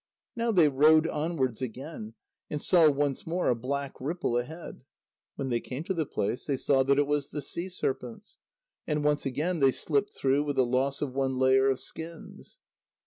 Now they rowed onwards again, and saw once more a black ripple ahead. When they came to the place, they saw that it was the sea serpents. And once again they slipped through with the loss of one layer of skins.